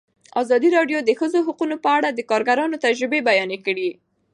ازادي راډیو د د ښځو حقونه په اړه د کارګرانو تجربې بیان کړي.